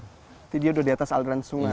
jadi dia sudah di atas aliran sungai